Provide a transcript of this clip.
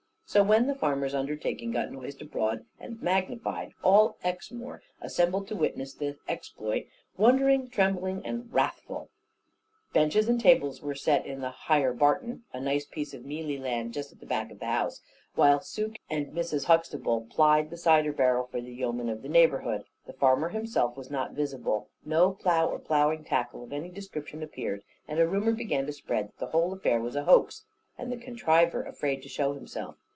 So when the farmer's undertaking got noised abroad and magnified, all Exmoor assembled to witness the exploit, wondering, trembling, and wrathful. Benches and tables were set in the "higher Barton," a nice piece of mealy land, just at the back of the house, while Suke and Mrs. Huxtable plied the cider barrel for the yeomen of the neighbourhood. The farmer himself was not visible no plough or ploughing tackle of any description appeared, and a rumour began to spread that the whole affair was a hoax, and the contriver afraid to show himself.